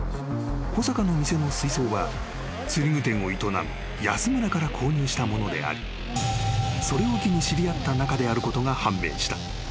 ［小坂の店の水槽は釣具店を営む安村から購入したものでありそれを機に知り合った仲であることが判明した］